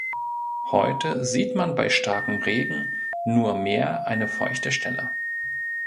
Heute sieht man bei starkem Regen nur mehr eine feuchte Stelle.